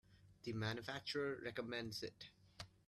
The manufacturer recommends it.